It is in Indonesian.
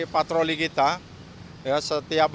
patroli kita ya setiap